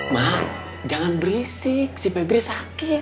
ma jangan berisik si pebri sakit